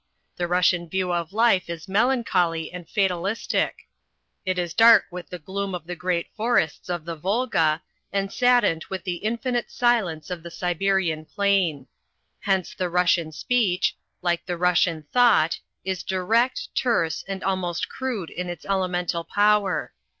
The Russian view of life is melancholy and fatalistic. It is dark with the gloom of the great forests of the Volga, and saddened with the infinite silence of the Siberian plain. Hence the Russian speech, like the Russian thought, is direct, terse and almost crude in its elemental power.